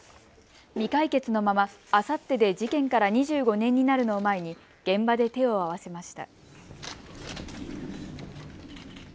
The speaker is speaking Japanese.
未解決のままあさってで事件から２５年になるのを前に現場で手を合わせました。